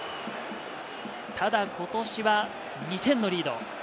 ただ、今年は２点のリード。